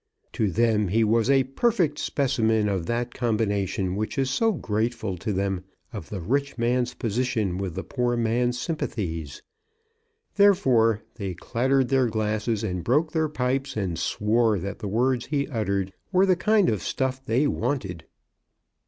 To them he was a perfect specimen of that combination, which is so grateful to them, of the rich man's position with the poor man's sympathies. Therefore they clattered their glasses, and broke their pipes, and swore that the words he uttered were the kind of stuff they wanted.